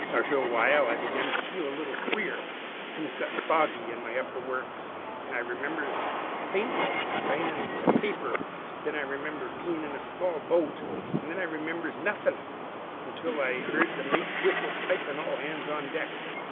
"Arter a while I begun to feel a little queer; things got foggy in my upper works, an' I remembers, faint like, of signin' a paper; then I remembers bein' in a small boat; an' then I remembers nothin' until I heard the mate's whistle pipin' all hands on deck.